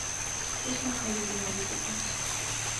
还算合理的人际关系